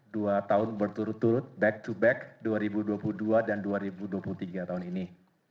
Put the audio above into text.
dua tahun berturut turut back to back dua ribu dua puluh dua dan dua ribu dua puluh tiga tahun ini